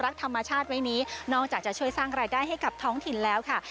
ธรรมชาติไว้นี้นอกจากจะช่วยสร้างรายได้ให้กับท้องถิ่นแล้วค่ะ